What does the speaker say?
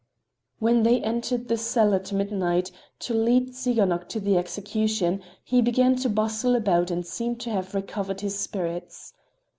When they entered the cell at midnight to lead Tsiganok to the execution he began to bustle about and seemed to have recovered his spirits.